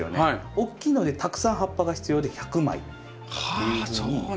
大きいのでたくさん葉っぱが必要で１００枚。はあそうなんだ。